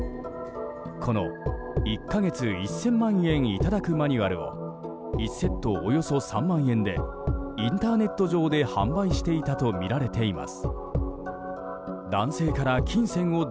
この１か月１０００万円頂くマニュアルを１セットおよそ３万円でインターネット上で販売していたとみられています。